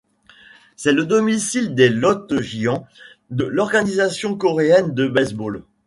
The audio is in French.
C'est le domicile des Lotte Giants de l'Organisation coréenne de baseball.